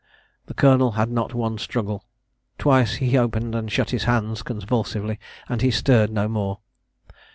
The Colonel had not one struggle; twice he opened and shut his hands, convulsively, and he stirred no more.